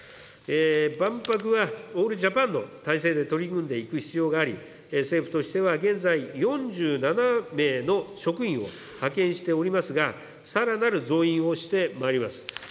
万博はオールジャパンの体制で取り組んでいく必要があり、政府としては現在、４７名の職員を派遣しておりますが、さらなる増員をしてまいります。